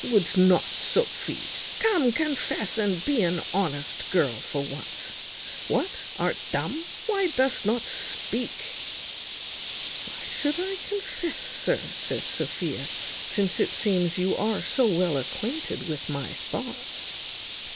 Would'st not, Sophy? Come, confess, and be an honest girl for once. What, art dumb? Why dost not speak?" "Why should I confess, sir," says Sophia, "since it seems you are so well acquainted with my thoughts?"